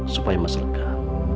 supaya mas lekah